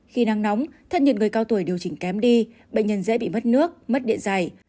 khi nắng nóng thân nhiệt người cao tuổi điều chỉnh kém đi bệnh nhân dễ bị mất nước mất điện dài